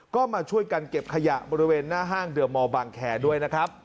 ก็มาช่วยกันเก็บขยะบริเวณหน้าห้างเดอร์มอลบางแคร์ด้วยนะครับ